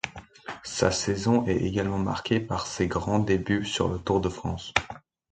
Sa saison est également marquée par ses grands débuts sur le Tour de France.